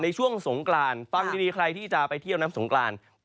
ช่วงสงกรานฟังดีใครที่จะไปเที่ยวน้ำสงกราน